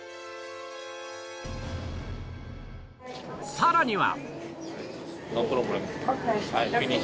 さらには！